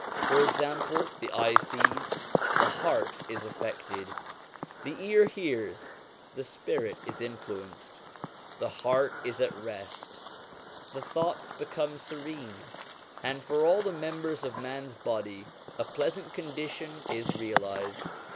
For example, the eye sees, the heart is affected ; the ear hears, and the spirit is influenced; the heart is at rest, the thoughts become serene, and for all the members of man's body a pleasant condition is realised.